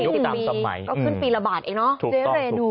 ขายมา๔๐ปีก็ขึ้นปีละบาทเองเนาะ